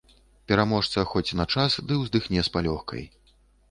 Пераможца хоць на час ды ўздыхне з палёгкай.